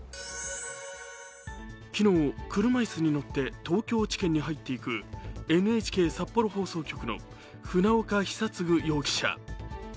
昨日、車椅子に乗って東京地検に入っていくＮＨＫ札幌放送局の船岡久嗣容疑者。